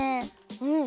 うん！